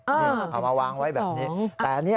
เออที่๒เอามาวางไว้แบบนี้